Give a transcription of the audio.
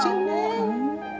sopi nanti marah